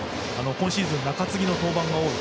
今シーズン、中継ぎの登板が多い。